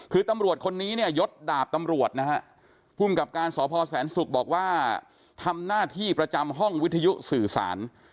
คือตำรวจคนนี้เนี่ยยดดาบตำรวจนะฮะภูมิกับการสพแสนศุกร์บอกว่าทำหน้าที่ประจำห้องวิทยุสื่อสาร